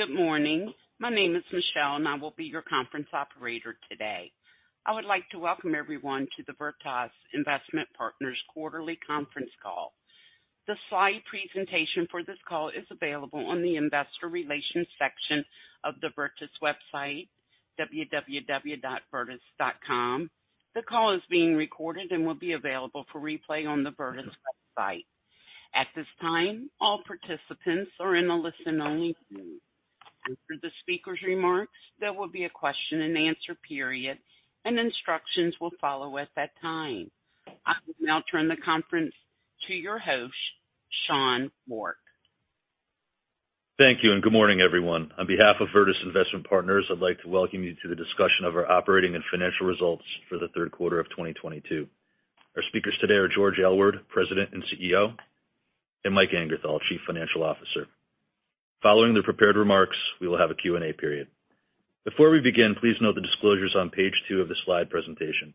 I would like to welcome everyone to the Virtus Investment Partners quarterly conference call. The slide presentation for this call is available on the investor relations section of the Virtus website, www.virtus.com. Thank you, and good morning, everyone. On behalf of Virtus Investment Partners, I'd like to welcome you to the discussion of our operating and financial results for the Q3 of 2022. Our speakers today are George Aylward, President and CEO, and Mike Angerthal, Chief Financial Officer. Following the prepared remarks, we will have a Q&A period. Before we begin, please note the disclosures on page 2 of the slide presentation.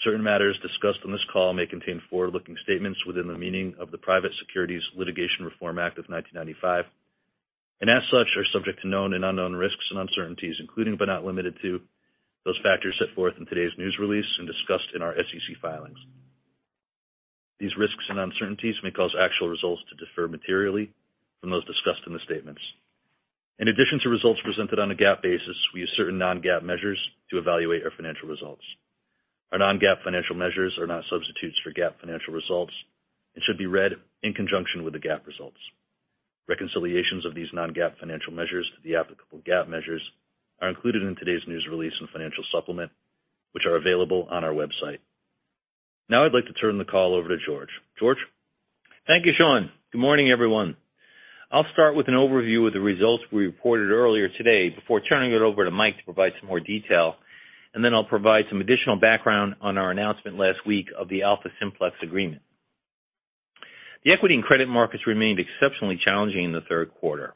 Certain matters discussed on this call may contain forward-looking statements within the meaning of the Private Securities Litigation Reform Act of 1995, and as such, are subject to known and unknown risks and uncertainties, including, but not limited to, those factors set forth in today's new release and discussed in our SEC filings. These risks and uncertainties may cause actual results to differ materially from those discussed in the statements. In addition to results presented on a GAAP basis, we use certain non-GAAP measures to evaluate our financial results. Our non-GAAP financial measures are not substitutes for GAAP financial results and should be read in conjunction with the GAAP results. Reconciliations of these non-GAAP financial measures to the applicable GAAP measures are included in today's news release and financial supplement, which are available on our website. Now I'd like to turn the call over to George. George? Thank you, Sean. Good morning, everyone. I'll start with an overview of the results we reported earlier today before turning it over to Mike to provide some more detail, and then I'll provide some additional background on our announcement last week of the AlphaSimplex agreement. The equity and credit markets remained exceptionally challenging in the Q3.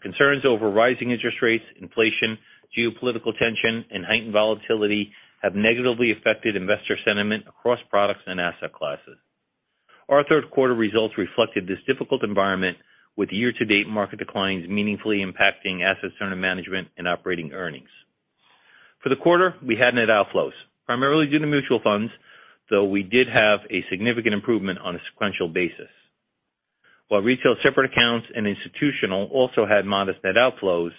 Concerns over rising interest rates, inflation, geopolitical tension, and heightened volatility have negatively affected investor sentiment across products and asset classes. Our Q3 results reflected this difficult environment with year-to-date market declines meaningfully impacting assets under management and operating earnings. For the quarter, we had net outflows, primarily due to mutual funds, though we did have a significant improvement on a sequential basis. While retail separate accounts and institutional also had modest net outflows,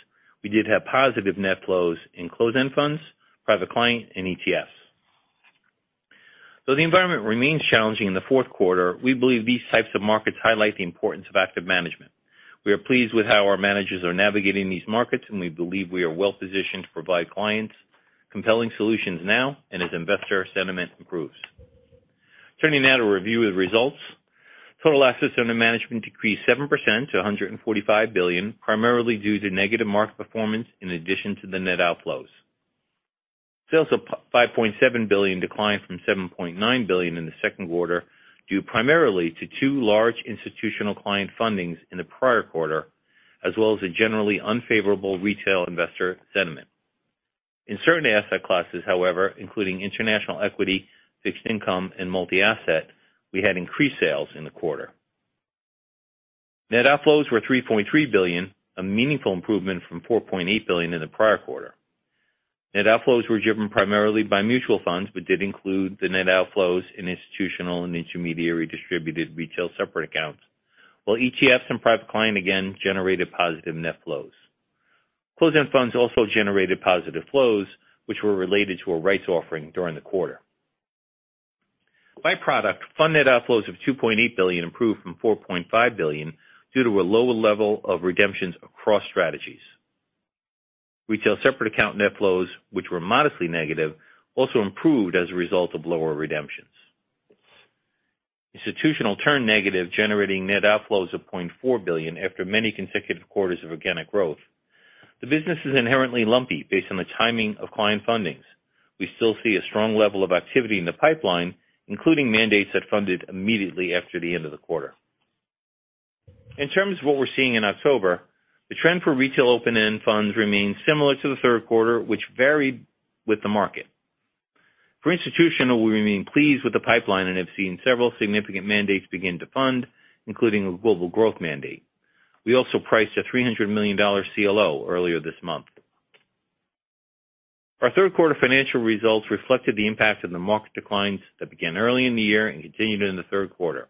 we did have positive net flows in closed-end funds, Private Client, and ETFs. Although the environment remains challenging in the Q4, we believe these types of markets highlight the importance of active management. We are pleased with how our managers are navigating these markets, and we believe we are well positioned to provide clients compelling solutions now and as investor sentiment improves. Turning now to review the results. Total assets under management decreased 7% to $145 billion, primarily due to negative market performance in addition to the net outflows. Sales of $5.7 billion declined from $7.9 billion in the Q2, due primarily to two large institutional client fundings in the prior quarter, as well as a generally unfavorable retail investor sentiment. In certain asset classes, however, including international equity, fixed income, and multi-asset, we had increased sales in the quarter. Net outflows were $3.3 billion, a meaningful improvement from $4.8 billion in the prior quarter. Net outflows were driven primarily by mutual funds, but did include the net outflows in institutional and intermediary distributed Retail Separate Accounts, while ETFs and Private Client again generated positive net flows. Closed-end funds also generated positive flows, which were related to a rights offering during the quarter. By product, fund net outflows of $2.8 billion improved from $4.5 billion due to a lower level of redemptions across strategies. Retail Separate Account net flows, which were modestly negative, also improved as a result of lower redemptions. Institutional turned negative, generating net outflows of $0.4 billion after many consecutive quarters of organic growth. The business is inherently lumpy based on the timing of client fundings. We still see a strong level of activity in the pipeline, including mandates that funded immediately after the end of the quarter. In terms of what we're seeing in October, the trend for retail open-end funds remains similar to the Q3, which varied with the market. For institutional, we remain pleased with the pipeline and have seen several significant mandates begin to fund, including a global growth mandate. We also priced a $300 million CLO earlier this month. Our Q3 financial results reflected the impact of the market declines that began early in the year and continued in the Q3.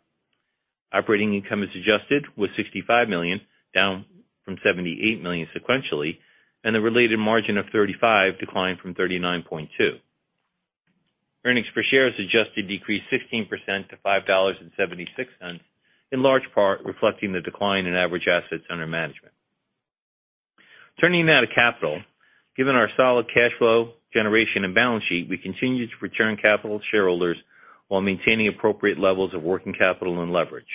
Operating income as adjusted was $65 million, down from $78 million sequentially, and the related margin of 35% declined from 39.2%. Earnings per share as adjusted decreased 16% to $5.76, in large part reflecting the decline in average assets under management. Turning now to capital. Given our solid cash flow generation and balance sheet, we continue to return capital to shareholders while maintaining appropriate levels of working capital and leverage.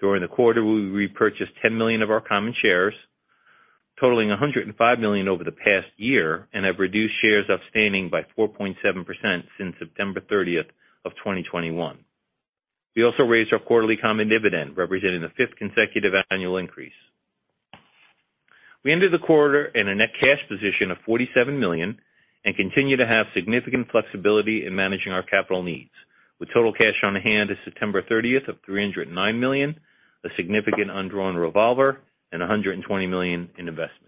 During the quarter, we repurchased 10 million of our common shares, totaling $105 million over the past year, and have reduced shares outstanding by 4.7% since September 30, 2021. We also raised our quarterly common dividend, representing the fifth consecutive annual increase. We ended the quarter in a net cash position of $47 million and continue to have significant flexibility in managing our capital needs, with total cash on hand as of September 30 of $309 million, a significant undrawn revolver and $120 million in investments.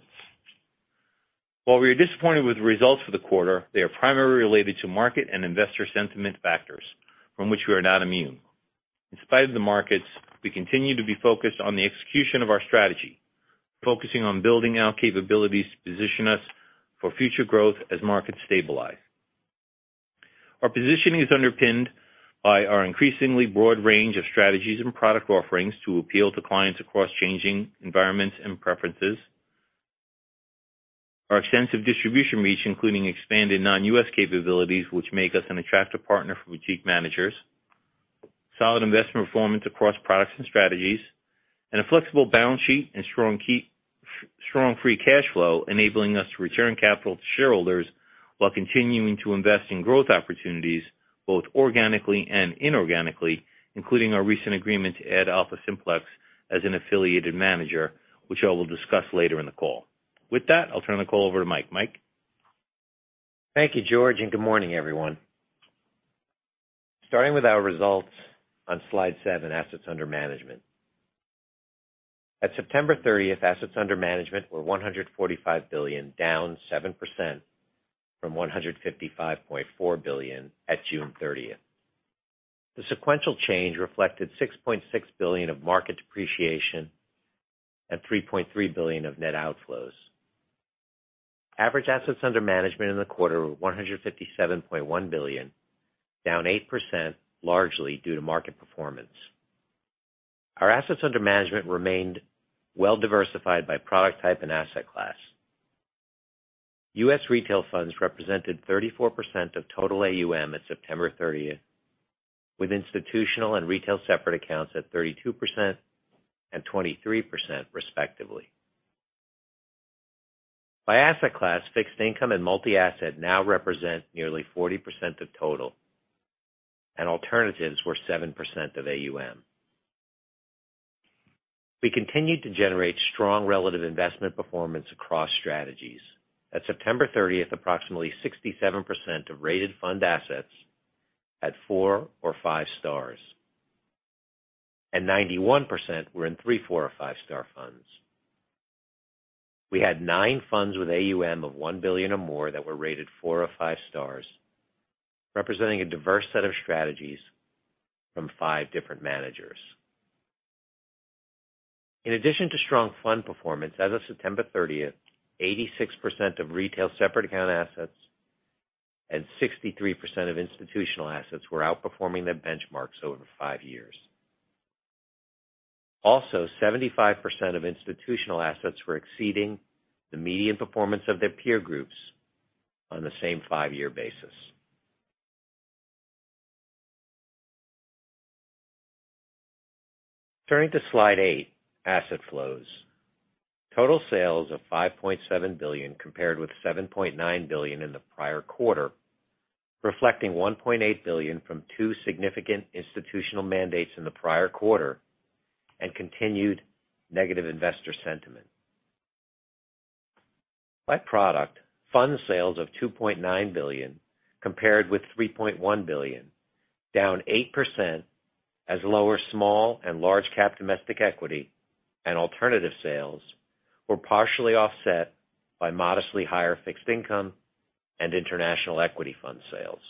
While we are disappointed with the results for the quarter, they are primarily related to market and investor sentiment factors from which we are not immune. In spite of the markets, we continue to be focused on the execution of our strategy, focusing on building out capabilities to position us for future growth as markets stabilize. Our positioning is underpinned by our increasingly broad range of strategies and product offerings to appeal to clients across changing environments and preferences. Our extensive distribution reach, including expanded non-U.S. capabilities, which make us an attractive partner for boutique managers, solid investment performance across products and strategies and a flexible balance sheet and strong free cash flow, enabling us to return capital to shareholders while continuing to invest in growth opportunities both organically and inorganically, including our recent agreement to add AlphaSimplex as an affiliated manager, which I will discuss later in the call. With that, I'll turn the call over to Mike. Mike? Thank you, George, and good morning, everyone. Starting with our results on slide 7, Assets Under Management. At September 30, assets under management were $145 billion, down 7% from $155.4 billion at June 30. The sequential change reflected $6.6 billion of market depreciation and $3.3 billion of net outflows. Average assets under management in the quarter were $157.1 billion, down 8%, largely due to market performance. Our assets under management remained well-diversified by product type and asset class. US retail funds represented 34% of total AUM at September 30, with institutional and retail separate accounts at 32% and 23% respectively. By asset class, fixed income and multi-asset now represent nearly 40% of total and alternatives were 7% of AUM. We continued to generate strong relative investment performance across strategies. At September 30, approximately 67% of rated fund assets at four or five stars, and 91% were in three, four or five-star funds. We had 9 funds with AUM of $1 billion or more that were rated four or five stars, representing a diverse set of strategies from 5 different managers. In addition to strong fund performance, as of September 30, 86% of retail separate account assets and 63% of institutional assets were outperforming their benchmarks over 5 years. Also, 75% of institutional assets were exceeding the median performance of their peer groups on the same 5-year basis. Turning to slide 8, Asset Flows. Total sales of $5.7 billion compared with $7.9 billion in the prior quarter, reflecting $1.8 billion from two significant institutional mandates in the prior quarter and continued negative investor sentiment. By product, fund sales of $2.9 billion compared with $3.1 billion, down 8%, as lower small- and large-cap domestic equity and alternative sales were partially offset by modestly higher fixed income and international equity fund sales.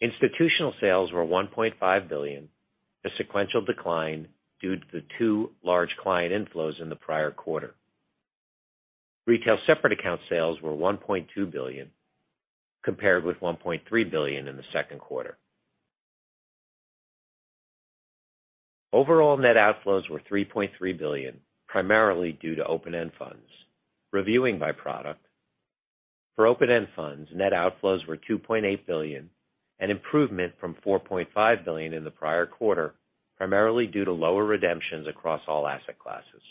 Institutional sales were $1.5 billion, a sequential decline due to the two large client inflows in the prior quarter. Retail separate account sales were $1.2 billion, compared with $1.3 billion in the Q2. Overall net outflows were $3.3 billion, primarily due to open-end funds. Reviewing by product, for open-end funds, net outflows were $2.8 billion, an improvement from $4.5 billion in the prior quarter, primarily due to lower redemptions across all asset classes.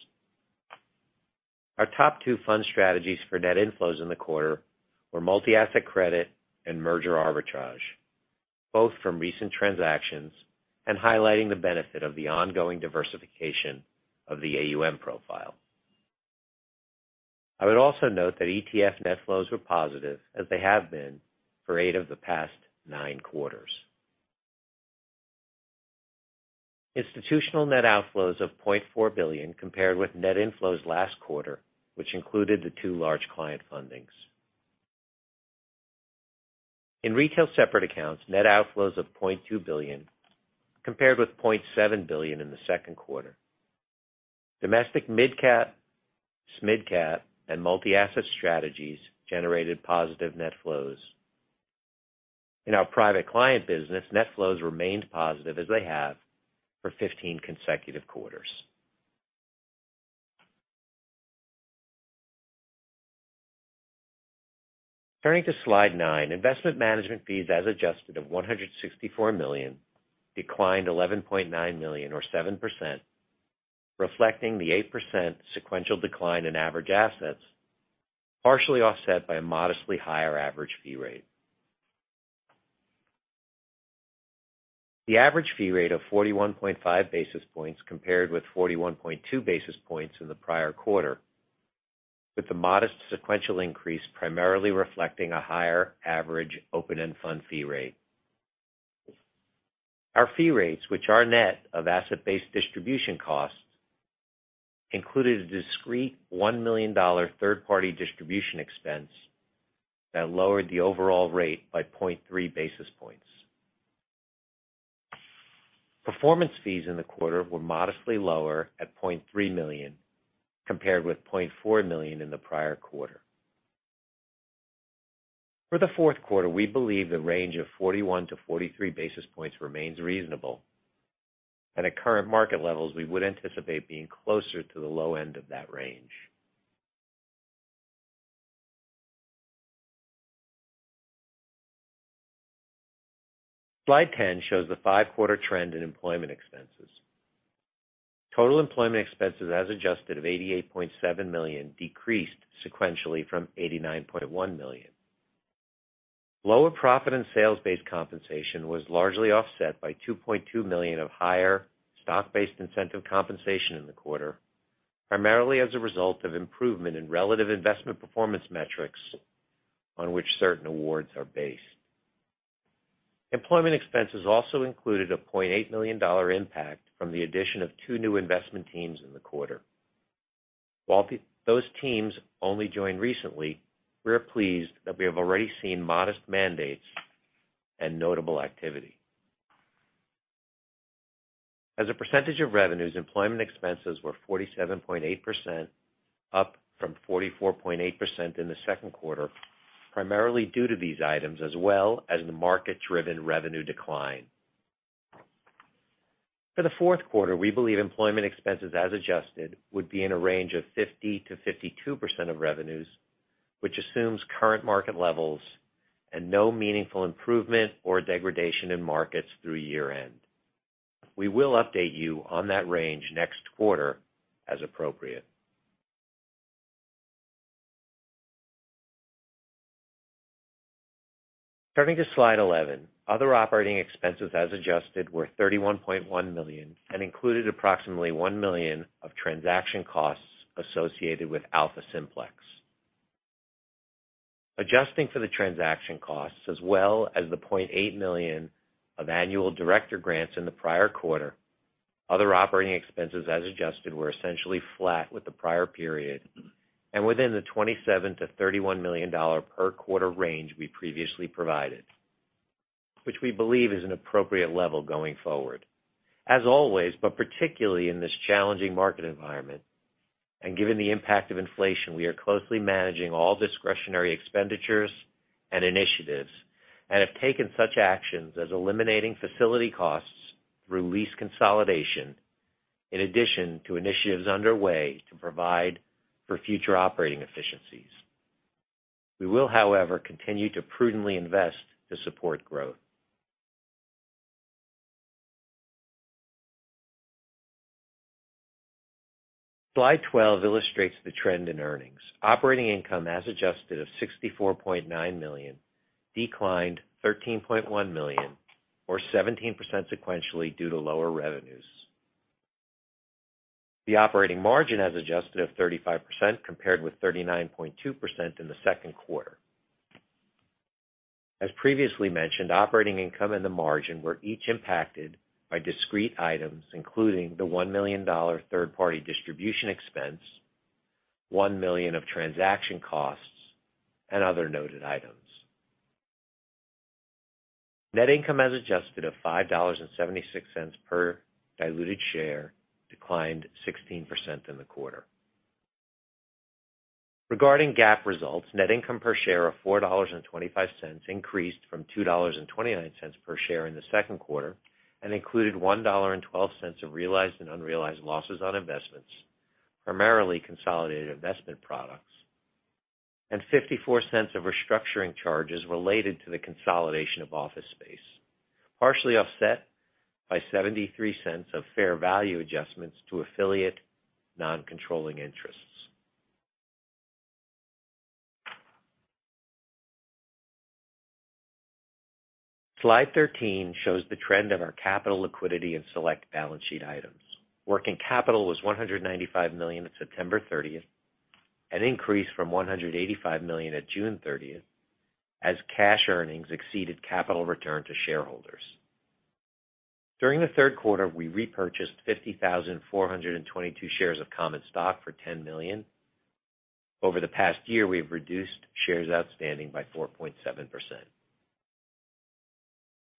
Our top two fund strategies for net inflows in the quarter were multi-asset credit and merger arbitrage, both from recent transactions and highlighting the benefit of the ongoing diversification of the AUM profile. I would also note that ETF net flows were positive, as they have been for eight of the past nine quarters. Institutional net outflows of $0.4 billion compared with net inflows last quarter, which included the two large client fundings. In retail separate accounts, net outflows of $0.2 billion compared with $0.7 billion in the Q2. Domestic mid-cap, SMID-cap and multi-asset strategies generated positive net flows. In our Private Client business, net flows remained positive, as they have for 15 consecutive quarters. Turning to slide nine, investment management fees as adjusted of $164 million declined $11.9 million or 7%, reflecting the 8% sequential decline in average assets, partially offset by a modestly higher average fee rate. The average fee rate of 41.5 basis points compared with 41.2 basis points in the prior quarter, with the modest sequential increase primarily reflecting a higher average open-end fund fee rate. Our fee rates, which are net of asset-based distribution costs, included a discrete $1 million third-party distribution expense that lowered the overall rate by 0.3 basis points. Performance fees in the quarter were modestly lower at $0.3 million, compared with $0.4 million in the prior quarter. For the Q4, we believe the range of 41-43 basis points remains reasonable. At current market levels, we would anticipate being closer to the low end of that range. Slide 10 shows the five-quarter trend in employment expenses. Total employment expenses as adjusted of $88.7 million decreased sequentially from $89.1 million. Lower profit and sales-based compensation was largely offset by $2.2 million of higher stock-based incentive compensation in the quarter, primarily as a result of improvement in relative investment performance metrics on which certain awards are based. Employment expenses also included a $0.8 million impact from the addition of two new investment teams in the quarter. While those teams only joined recently, we are pleased that we have already seen modest mandates and notable activity. As a percentage of revenues, employment expenses were 47.8%, up from 44.8% in the Q2, primarily due to these items as well as the market-driven revenue decline. For the Q4, we believe employment expenses as adjusted would be in a range of 50%-52% of revenues, which assumes current market levels and no meaningful improvement or degradation in markets through year-end. We will update you on that range next quarter as appropriate. Turning to slide 11, other operating expenses as adjusted were $31.1 million and included approximately $1 million of transaction costs associated with AlphaSimplex. Adjusting for the transaction costs as well as the $0.8 million of annual director grants in the prior quarter, other operating expenses as adjusted were essentially flat with the prior period and within the $27-$31 million per quarter range we previously provided, which we believe is an appropriate level going forward. As always, but particularly in this challenging market environment and given the impact of inflation, we are closely managing all discretionary expenditures and initiatives and have taken such actions as eliminating facility costs through lease consolidation, in addition to initiatives underway to provide for future operating efficiencies. We will, however, continue to prudently invest to support growth. Slide 12 illustrates the trend in earnings. Operating income as adjusted of $64.9 million declined $13.1 million or 17% sequentially due to lower revenues. The operating margin as adjusted of 35% compared with 39.2% in the Q2. As previously mentioned, operating income and the margin were each impacted by discrete items, including the $1 million third party distribution expense, $1 million of transaction costs and other noted items. Net income as adjusted of $5.76 per diluted share declined 16% in the quarter. Regarding GAAP results, net income per share of $4.25 increased from $2.29 per share in the Q2 and included $1.12 of realized and unrealized losses on investments, primarily consolidated investment products, and $0.54 of restructuring charges related to the consolidation of office space, partially offset by $0.73 of fair value adjustments to affiliate non-controlling interests. Slide 13 shows the trend of our capital liquidity and select balance sheet items. Working capital was $195 million at September 30, an increase from $185 million at June 30 as cash earnings exceeded capital return to shareholders. During the Q3, we repurchased 50,422 shares of common stock for $10 million. Over the past year, we have reduced shares outstanding by 4.7%.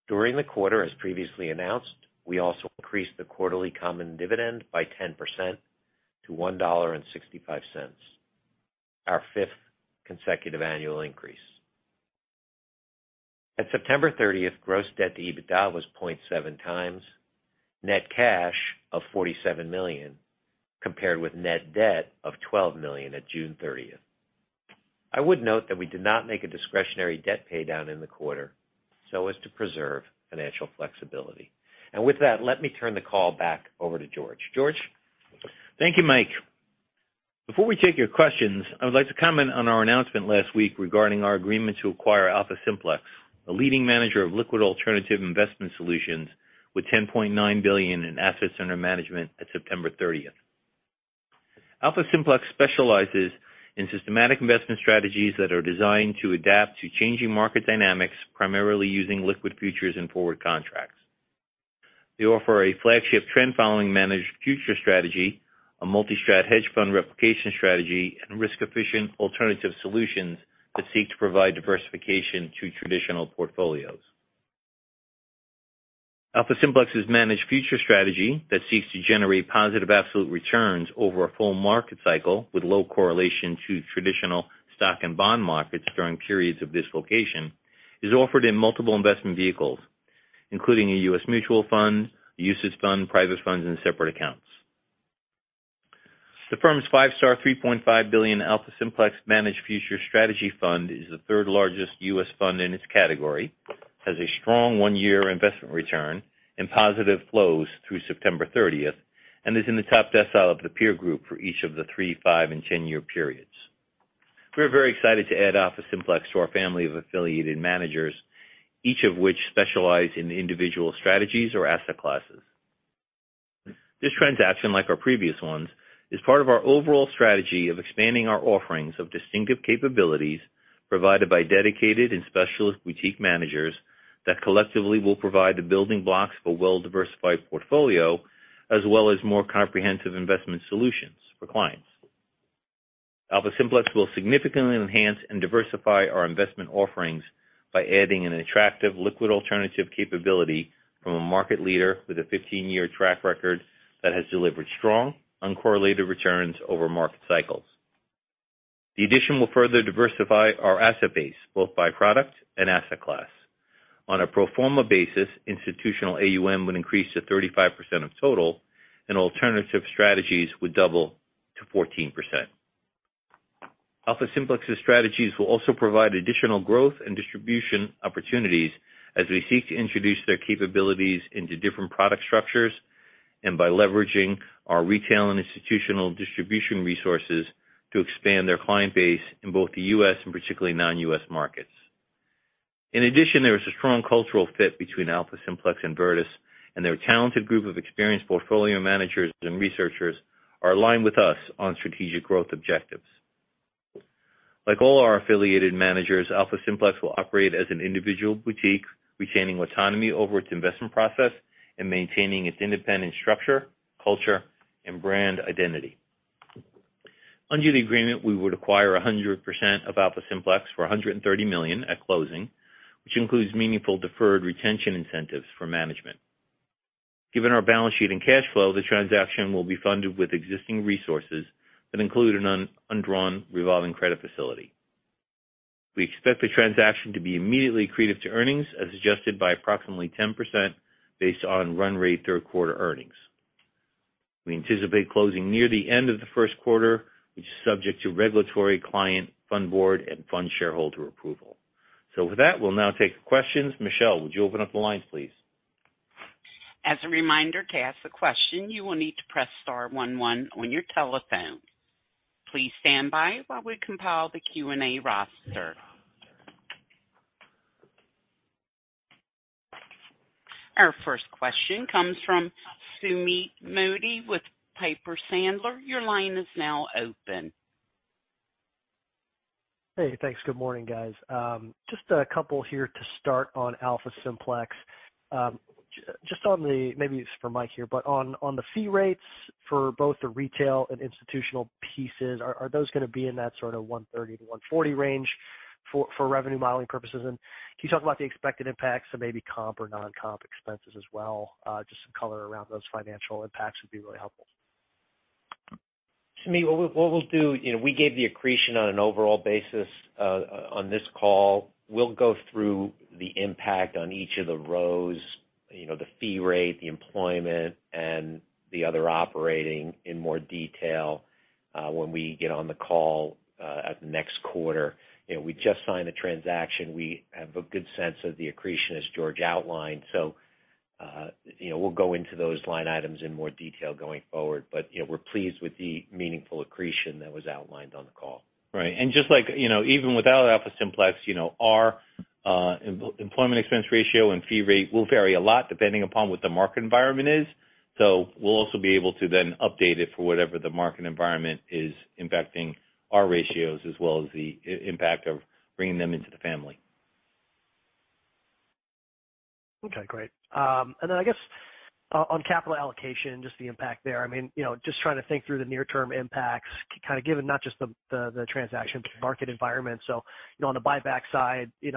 During the quarter, as previously announced, we also increased the quarterly common dividend by 10% to $1.65, our fifth consecutive annual increase. At September 30, gross debt to EBITDA was 0.7x, net cash of $47 million, compared with net debt of $12 million at June 30. I would note that we did not make a discretionary debt paydown in the quarter so as to preserve financial flexibility. With that, let me turn the call back over to George. George? Thank you, Mike. Before we take your questions, I would like to comment on our announcement last week regarding our agreement to acquire AlphaSimplex, a leading manager of liquid alternative investment solutions with $10.9 billion in assets under management at September 30. AlphaSimplex specializes in systematic investment strategies that are designed to adapt to changing market dynamics, primarily using liquid futures and forward contracts. They offer a flagship trend following managed future strategy, a multi-strat hedge fund replication strategy, and risk efficient alternative solutions that seek to provide diversification to traditional portfolios. AlphaSimplex's managed future strategy that seeks to generate positive absolute returns over a full market cycle with low correlation to traditional stock and bond markets during periods of dislocation is offered in multiple investment vehicles, including a U.S. mutual fund, the UCITS fund, private funds and separate accounts. The firm's five-star $3.5 billion AlphaSimplex Managed Futures Strategy Fund is the third-largest U.S. fund in its category, has a strong 1-year investment return and positive flows through September 30, and is in the top decile of the peer group for each of the 3-, 5- and 10-year periods. We are very excited to add AlphaSimplex to our family of affiliated managers, each of which specialize in individual strategies or asset classes. This transaction, like our previous ones, is part of our overall strategy of expanding our offerings of distinctive capabilities provided by dedicated and specialist boutique managers that collectively will provide the building blocks of a well-diversified portfolio as well as more comprehensive investment solutions for clients. AlphaSimplex will significantly enhance and diversify our investment offerings by adding an attractive liquid alternative capability from a market leader with a 15-year track record that has delivered strong uncorrelated returns over market cycles. The addition will further diversify our asset base, both by product and asset class. On a pro forma basis, institutional AUM would increase to 35% of total, and alternative strategies would double to 14%. AlphaSimplex's strategies will also provide additional growth and distribution opportunities as we seek to introduce their capabilities into different product structures and by leveraging our retail and institutional distribution resources to expand their client base in both the U.S. and particularly non-U.S. markets. In addition, there is a strong cultural fit between AlphaSimplex and Virtus, and their talented group of experienced portfolio managers and researchers are aligned with us on strategic growth objectives. Like all our affiliated managers, AlphaSimplex will operate as an individual boutique, retaining autonomy over its investment process and maintaining its independent structure, culture, and brand identity. Under the agreement, we would acquire 100% of AlphaSimplex for $130 million at closing, which includes meaningful deferred retention incentives for management. Given our balance sheet and cash flow, the transaction will be funded with existing resources that include an undrawn revolving credit facility. We expect the transaction to be immediately accretive to earnings as adjusted by approximately 10% based on run rate Q3 earnings. We anticipate closing near the end of the Q1, which is subject to regulatory, client, fund board, and fund shareholder approval. With that, we'll now take questions. Michelle, would you open up the lines, please? Hey, thanks. Good morning, guys. Just a couple here to start on AlphaSimplex. Maybe it's for Mike here, but on the fee rates for both the retail and institutional pieces, are those gonna be in that sort of 1.30-1.40 range for revenue modeling purposes? Can you talk about the expected impacts of maybe comp or non-comp expenses as well? Just some color around those financial impacts would be really helpful. Crispin Love, what we'll do, we gave the accretion on an overall basis on this call. We'll go through the impact on each of the rows, the fee rate, the expense and the other operating in more detail when we get on the call in the next quarter. We just signed a transaction. We have a good sense of the accretion as George Aylward outlined. We'll go into those line items in more detail going forward. We're pleased with the meaningful accretion that was outlined on the call. Right. Just like, even without AlphaSimplex, our employment expense ratio and fee rate will vary a lot depending upon what the market environment is. We'll also be able to then update it for whatever the market environment is impacting our ratios as well as the impact of bringing them into the family. Okay, great. I guess on capital allocation, just the impact there, I mean, just trying to think through the near term impacts, kind of given not just the transaction but the market environment. On the buyback side, is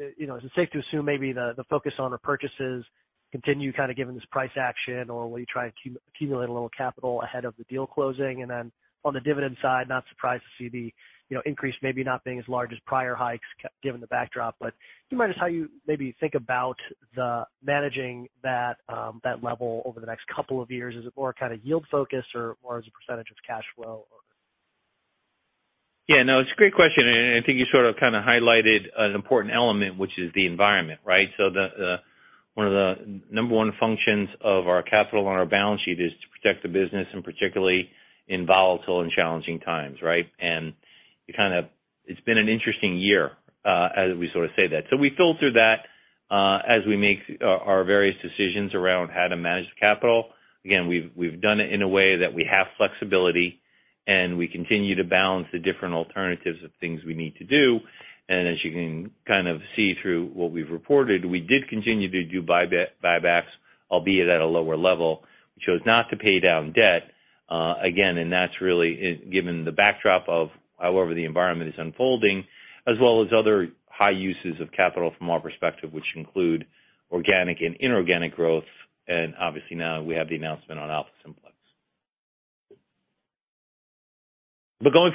it safe to assume maybe the focus on the purchases continue kind of given this price action? Will you try to accumulate a little capital ahead of the deal closing? On the dividend side, not surprised to see the increase maybe not being as large as prior hikes given the backdrop. Can you remind us how you think about managing that level over the next couple of years? Is it more kind of yield focus or more as a percentage of cash flow? Yeah, no, it's a great question, and I think you sort of kinda highlighted an important element, which is the environment, right? One of the number one functions of our capital on our balance sheet is to protect the business, and particularly in volatile and challenging times, right? It's been an interesting year, as we sort of say that. We filter that as we make our various decisions around how to manage the capital. Again, we've done it in a way that we have flexibility, and we continue to balance the different alternatives of things we need to do. As you can kind of see through what we've reported, we did continue to do buybacks, albeit at a lower level. We chose not to pay down debt, again, and that's really, given the backdrop of however the environment is unfolding, as well as other high uses of capital from our perspective, which include organic and inorganic growth, and obviously now we have the announcement on AlphaSimplex. Going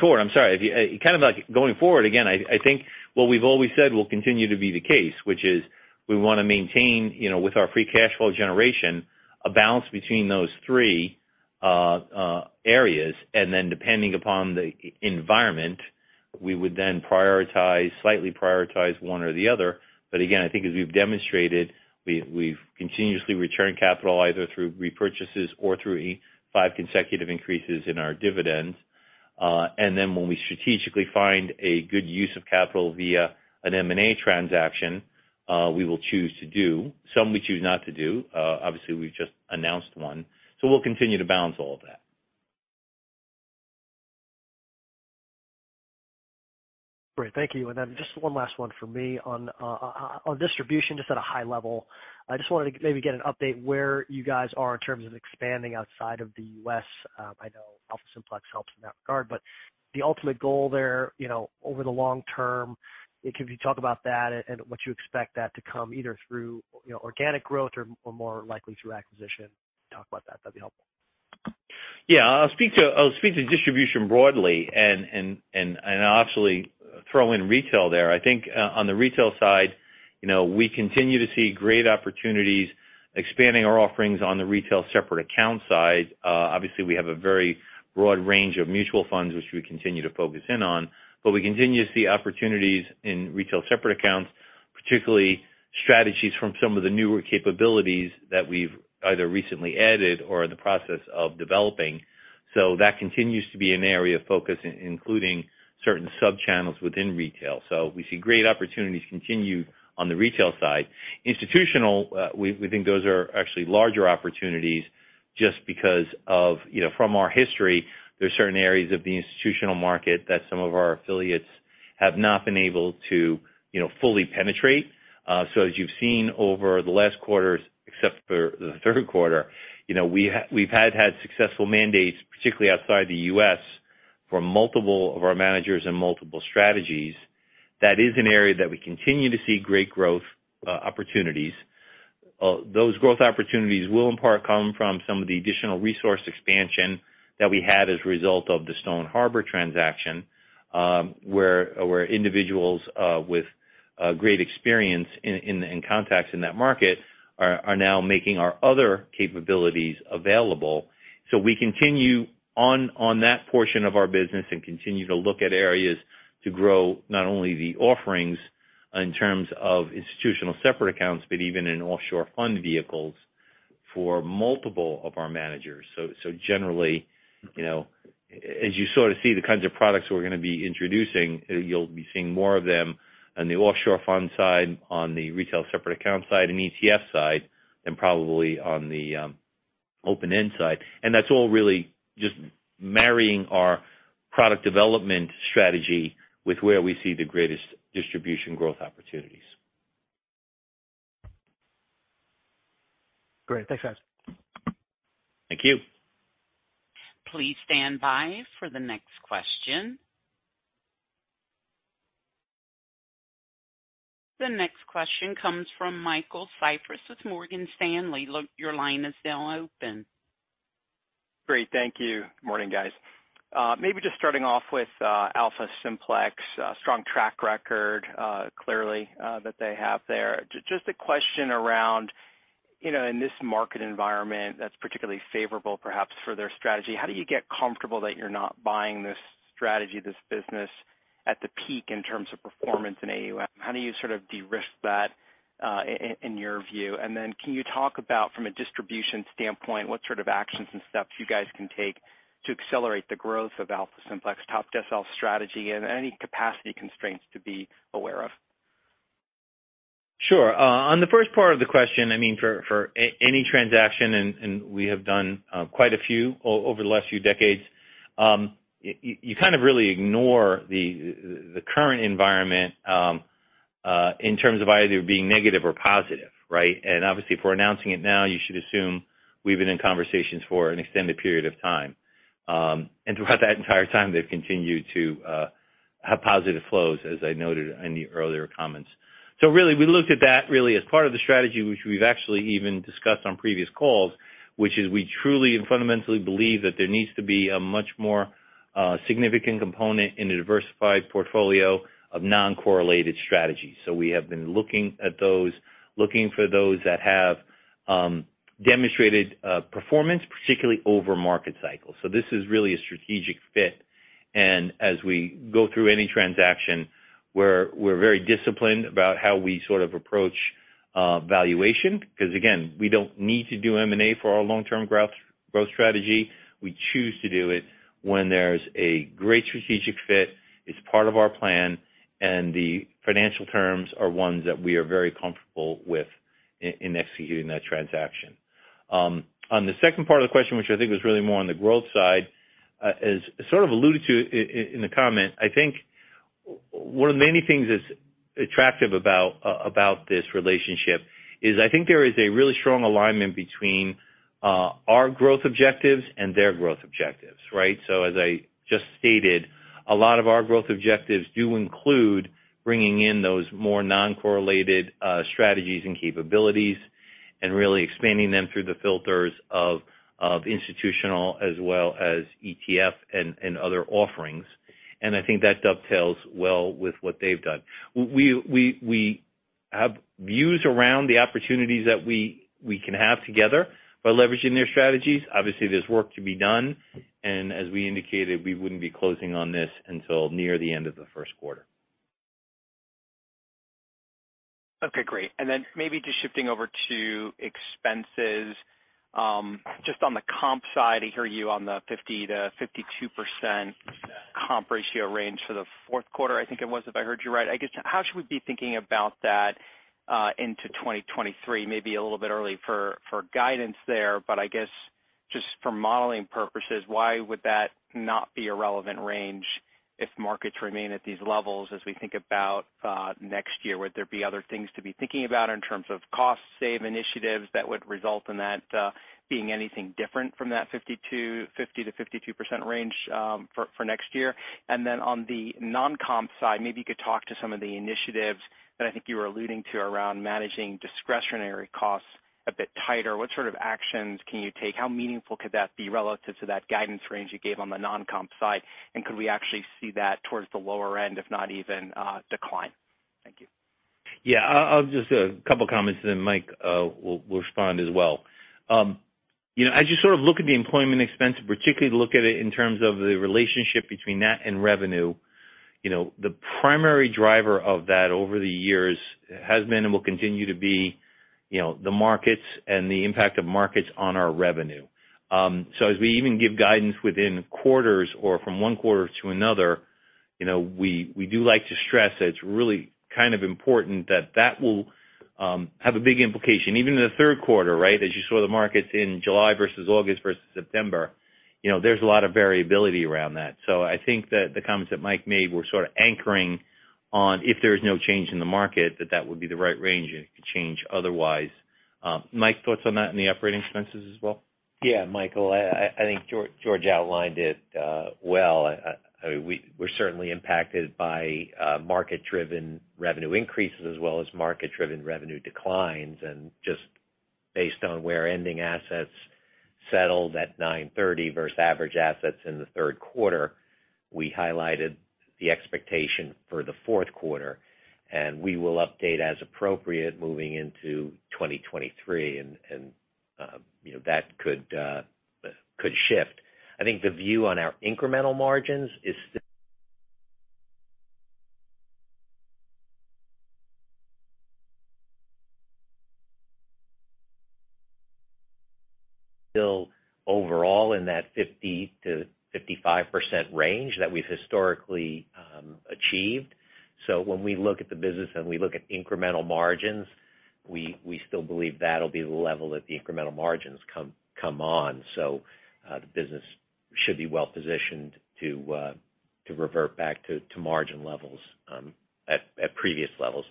forward, again, I think what we've always said will continue to be the case, which is we wanna maintain, with our free cash flow generation, a balance between those three areas. Depending upon the environment, we would then prioritize, slightly prioritize one or the other. Again, I think as we've demonstrated, we've continuously returned capital either through repurchases or through five consecutive increases in our dividends. When we strategically find a good use of capital via an M&A transaction, we will choose to do. Some we choose not to do. Obviously, we've just announced one. We'll continue to balance all of that. Great. Thank you. Just one last one for me. On distribution, just at a high level, I just wanted to maybe get an update where you guys are in terms of expanding outside of the U.S. I know AlphaSimplex helps in that regard, but the ultimate goal there, over the long term, can you talk about that and what you expect that to come, either through, organic growth or more likely through acquisition? Talk about that. That'd be helpful. Yeah. I'll speak to distribution broadly and obviously throw in retail there. I think on the retail side, we continue to see great opportunities expanding our offerings on the retail separate account side. Obviously, we have a very broad range of mutual funds, which we continue to focus in on, but we continue to see opportunities in retail separate accounts, particularly strategies from some of the newer capabilities that we've either recently added or are in the process of developing. That continues to be an area of focus, including certain sub-channels within retail. We see great opportunities continued on the retail side. Institutional, we think those are actually larger opportunities just because of, from our history, there are certain areas of the institutional market that some of our affiliates have not been able to, fully penetrate. So as you've seen over the last quarters, except for the Q3, we've had successful mandates, particularly outside the U.S., for multiple of our managers and multiple strategies. That is an area that we continue to see great growth opportunities. Those growth opportunities will in part come from some of the additional resource expansion that we had as a result of the Stone Harbor transaction, where individuals with great experience in contacts in that market are now making our other capabilities available. We continue on that portion of our business and continue to look at areas to grow not only the offerings in terms of institutional separate accounts, but even in offshore fund vehicles for multiple of our managers. Generally, as you sort of see the kinds of products we're gonna be introducing, you'll be seeing more of them on the offshore fund side, on the retail separate account side and ETF side, and probably on the open-end side. That's all really just marrying our product development strategy with where we see the greatest distribution growth opportunities. Great. Thanks, guys. Thank you. Great. Thank you. Morning, guys. Maybe just starting off with AlphaSimplex, a strong track record, clearly, that they have there. Just a question around, in this market environment that's particularly favorable perhaps for their strategy, how do you get comfortable that you're not buying this strategy, this business at the peak in terms of performance in AUM? How do you sort of de-risk that, in your view? And then can you talk about from a distribution standpoint, what sort of actions and steps you guys can take to accelerate the growth of AlphaSimplex top decile strategy and any capacity constraints to be aware of? Sure. On the first part of the question, I mean, for any transaction, and we have done quite a few over the last few decades, you kind of really ignore the current environment in terms of either being negative or positive, right? Obviously, if we're announcing it now, you should assume we've been in conversations for an extended period of time. Throughout that entire time, they've continued to have positive flows, as I noted in the earlier comments. Really, we looked at that really as part of the strategy which we've actually even discussed on previous calls, which is we truly and fundamentally believe that there needs to be a much more significant component in a diversified portfolio of non-correlated strategies. We have been looking at those, looking for those that have demonstrated performance, particularly over market cycles. This is really a strategic fit. As we go through any transaction, we're very disciplined about how we sort of approach valuation, because again, we don't need to do M&A for our long-term growth strategy. We choose to do it when there's a great strategic fit, it's part of our plan, and the financial terms are ones that we are very comfortable with in executing that transaction. On the second part of the question, which I think was really more on the growth side, as sort of alluded to in the comment, I think one of the many things that's attractive about this relationship is I think there is a really strong alignment between our growth objectives and their growth objectives, right? As I just stated, a lot of our growth objectives do include bringing in those more non-correlated strategies and capabilities and really expanding them through the filters of institutional as well as ETF and other offerings. I think that dovetails well with what they've done. We have views around the opportunities that we can have together by leveraging their strategies. Obviously, there's work to be done, and as we indicated, we wouldn't be closing on this until near the end of the Q1. Okay, great. Then maybe just shifting over to expenses, just on the comp side, I hear you on the 50%-52% comp ratio range for the Q4, I think it was, if I heard you right. I guess, how should we be thinking about that, into 2023? Maybe a little bit early for guidance there, but I guess just for modeling purposes, why would that not be a relevant range if markets remain at these levels as we think about next year? Would there be other things to be thinking about in terms of cost-saving initiatives that would result in that being anything different from that 50%-52% range for next year? On the non-comp side, maybe you could talk to some of the initiatives that I think you were alluding to around managing discretionary costs a bit tighter. What sort of actions can you take? How meaningful could that be relative to that guidance range you gave on the non-comp side? Could we actually see that towards the lower end, if not even decline? Thank you. Yeah. I'll just make a couple comments then Mike will respond as well. As you sort of look at the employment expense, particularly look at it in terms of the relationship between that and revenue, the primary driver of that over the years has been and will continue to be, the markets and the impact of markets on our revenue. As we even give guidance within quarters or from one quarter to another, we do like to stress that it's really kind of important that that will have a big implication. Even in the Q3, right, as you saw the markets in July versus August versus September, there's a lot of variability around that. I think that the comments that Mike made were sort of anchoring on if there is no change in the market, that that would be the right range, and it could change otherwise. Mike, thoughts on that in the operating expenses as well? Yeah. Michael, I think George outlined it well. We're certainly impacted by market-driven revenue increases as well as market-driven revenue declines. Just based on where ending assets settled at 9/30 versus average assets in the Q3, we highlighted the expectation for the Q4, and we will update as appropriate moving into 2023. That could shift. I think the view on our incremental margins is still overall in that 50%-55% range that we've historically achieved. When we look at the business and we look at incremental margins, we still believe that'll be the level that the incremental margins come on. The business should be well positioned to revert back to margin levels at previous levels.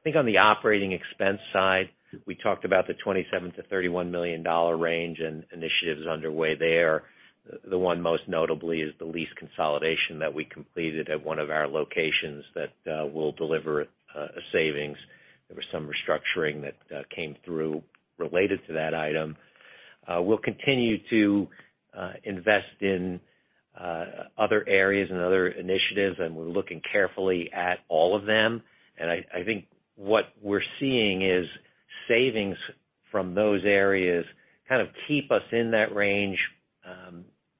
I think on the operating expense side, we talked about the $27 million-$31 million range and initiatives underway there. The one most notably is the lease consolidation that we completed at one of our locations that will deliver a savings. There was some restructuring that came through related to that item. We'll continue to invest in other areas and other initiatives, and we're looking carefully at all of them. I think what we're seeing is savings from those areas kind of keep us in that range.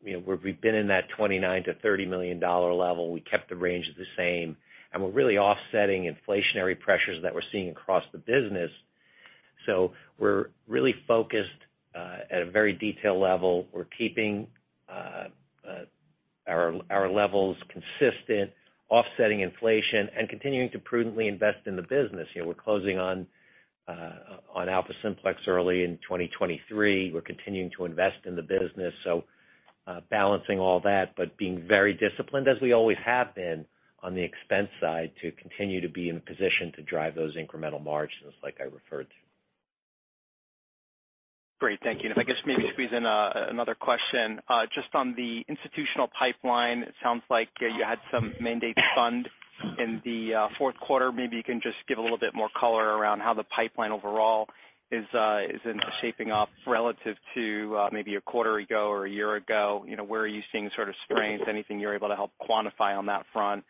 We've been in that $29 million-$30 million level. We kept the range the same. We're really offsetting inflationary pressures that we're seeing across the business. We're really focused at a very detailed level. We're keeping our levels consistent, offsetting inflation, and continuing to prudently invest in the business. We're closing on AlphaSimplex early in 2023. We're continuing to invest in the business. Balancing all that, but being very disciplined, as we always have been, on the expense side to continue to be in a position to drive those incremental margins like I referred to. Great. Thank you. If I guess maybe squeeze in another question. Just on the institutional pipeline, it sounds like you had some mandates funded in the Q4. Maybe you can just give a little bit more color around how the pipeline overall is shaping up relative to maybe a quarter ago or a year ago. Where are you seeing sort of strengths? Anything you're able to help quantify on that front,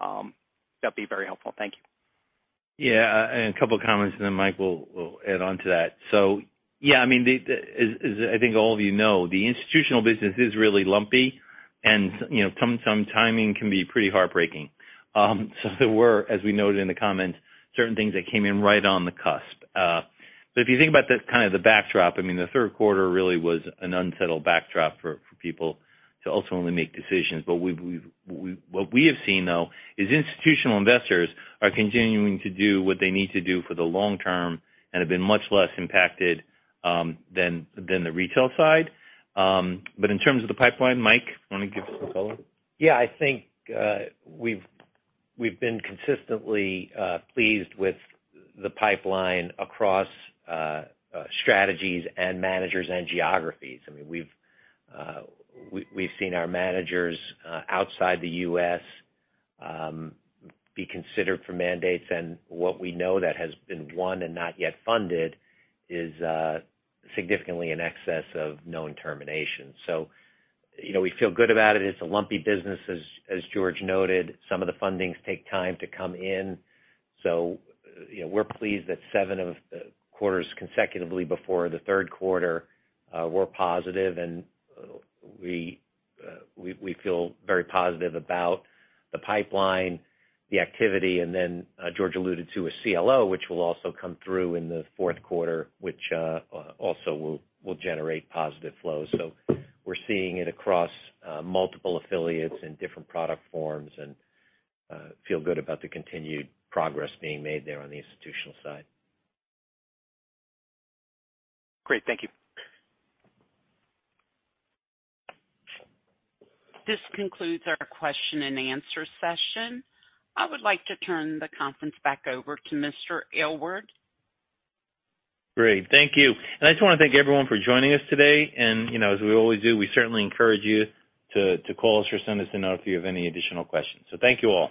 that'd be very helpful. Thank you. Yeah, a couple of comments and then Mike will add on to that. I mean, as I think all of the institutional business is really lumpy and some timing can be pretty heartbreaking. There were, as we noted in the comments, certain things that came in right on the cusp. If you think about the kind of the backdrop, I mean, the Q3 really was an unsettled backdrop for people to ultimately make decisions. What we have seen, though, is institutional investors are continuing to do what they need to do for the long term and have been much less impacted than the retail side. In terms of the pipeline, Mike, wanna give us some color? Yeah, I think we've been consistently pleased with the pipeline across strategies and managers and geographies. I mean, we've seen our managers outside the U.S. be considered for mandates and what we know that has been won and not yet funded is significantly in excess of known terminations. We feel good about it. It's a lumpy business, as George noted. Some of the fundings take time to come in. We're pleased that seven of the quarters consecutively before the Q3 were positive, and we feel very positive about the pipeline, the activity, and then George alluded to a CLO, which will also come through in the Q4, which also will generate positive flows. We're seeing it across multiple affiliates and different product forms and feel good about the continued progress being made there on the institutional side. Great. Thank you. I just wanna thank everyone for joining us today. As we always do, we certainly encourage you to call us or send us a note if you have any additional questions. Thank you all.